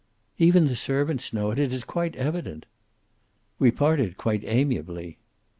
"Even the servants know it. It is quite evident." "We parted quite amiably."